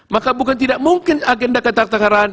maka bukan tidak mungkin agenda ketaktaraan